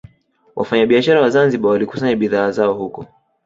Wafanyabiashara wa Zanzibar walikusanya bidhaa zao huko